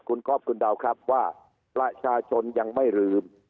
คุณก๊อฟคุณดาวครับว่าประชาชนยังไม่ลืม